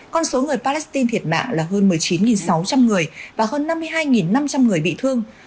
con số người palestine thiệt mạng là hơn một mươi chín sáu trăm linh người và hơn năm mươi hai năm trăm linh người bị thương